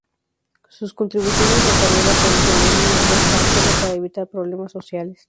Sus contribuciones las haría bajo el seudónimo "Bob Angelo", para evitar problemas sociales.